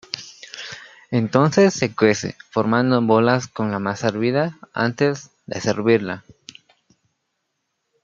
Entonces se cuece, formando bolas con la masa hervida antes de servirla.